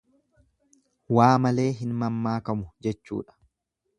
Waa malee hin mammaakamu jechuudha.